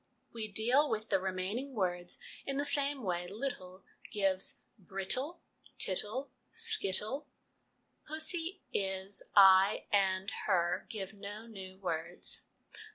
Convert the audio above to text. We deal with the remaining words in the same way 'little' gives brittle, tittle, skittle: pussy, is, I, and her, give no new words.